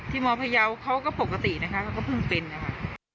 มพยาวเขาก็ปกตินะคะเขาก็เพิ่งเป็นนะคะ